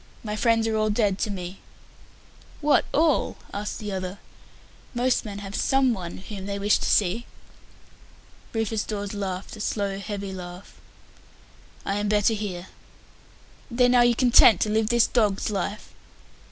"My friends are all dead to me." "What, all?" asked the other. "Most men have some one whom they wish to see." Rufus Dawes laughed a slow, heavy laugh. "I am better here." "Then are you content to live this dog's life?"